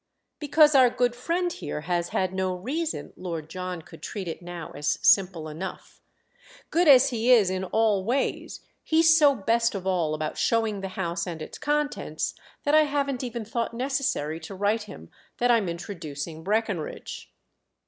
"Because our good friend here has had no reason"—Lord John could treat it now as simple enough. "Good as he is in all ways, he's so best of all about showing the house and its contents that I haven't even thought necessary to write him that I'm introducing Breckenridge."